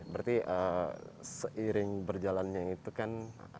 berarti seiring berjalannya itu kan